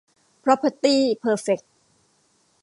พร็อพเพอร์ตี้ เพอร์เฟค